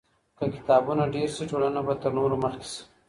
که کتابونه ډېر سي ټولنه به تر نورو مخکې سي.